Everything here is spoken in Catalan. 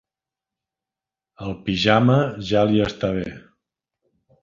El pijama ja li està bé.